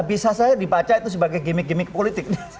bisa saja dibaca itu sebagai gimmick gimmick politik